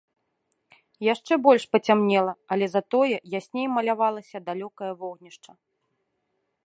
Яшчэ больш пацямнела, але затое ясней малявалася далёкае вогнішча.